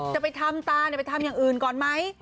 จะไปทำตาไปทำอย่างอื่นก่อนไหม